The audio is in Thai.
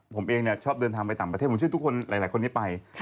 ผมเองชอบเดินทางไปต่างประเทศผมเชื่อทุกคนหลายคนที่ไป